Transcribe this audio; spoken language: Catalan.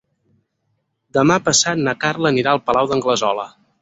Demà passat na Carla anirà al Palau d'Anglesola.